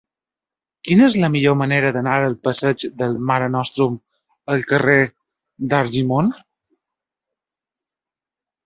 Quina és la millor manera d'anar del passeig del Mare Nostrum al carrer d'Argimon?